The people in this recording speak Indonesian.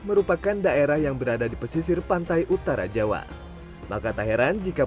kepala kabupaten pati jawa tengah